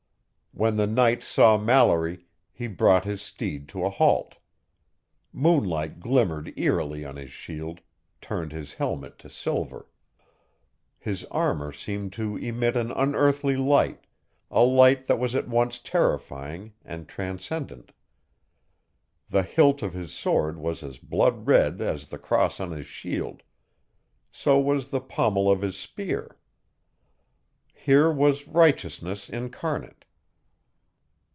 When the knight saw Mallory, he brought his steed to a halt. Moonlight glimmered eerily on his shield, turned his helmet to silver. His armor seemed to emit an unearthly light a light that was at once terrifying and transcendent. The hilt of his sword was as blood red as the cross on his shield; so was the pommel of his spear. Here was righteousness incarnate.